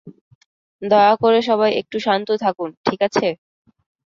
দয়া করে সবাই একটু শান্ত থাকুন, ঠিক আছে?